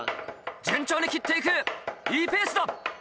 順調に切っていくいいペースだ！